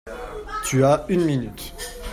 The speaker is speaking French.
Tu as une minute.